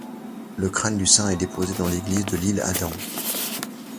Le crâne du saint est déposée dans l'église de L'Isle-Adam.